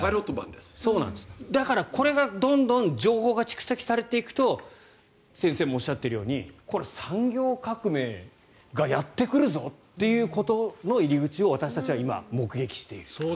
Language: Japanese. だから、これがどんどん情報が蓄積されていくと先生もおっしゃっているように産業革命がやってくるぞということの入り口を私たちは今、目撃している。